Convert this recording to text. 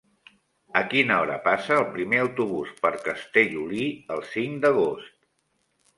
A quina hora passa el primer autobús per Castellolí el cinc d'agost?